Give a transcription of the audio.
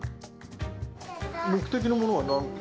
目的のものは？